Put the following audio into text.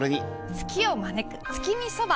ツキを招く月見そば！